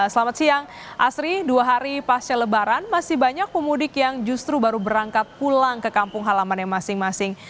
selamat siang asri dua hari pasca lebaran masih banyak pemudik yang justru baru berangkat pulang ke kampung halamannya masing masing